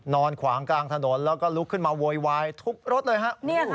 ขวางกลางถนนแล้วก็ลุกขึ้นมาโวยวายทุบรถเลยฮะ